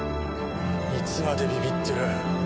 いつまでビビってる？